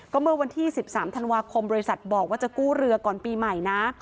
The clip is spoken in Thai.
เมื่อวันที่๑๓ธันวาคมบริษัทบอกว่าจะกู้เรือก่อนปีใหม่นะ